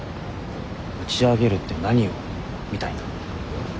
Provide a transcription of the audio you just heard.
打ち上げるって何を？みたいな。